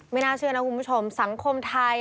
น่าเชื่อนะคุณผู้ชมสังคมไทย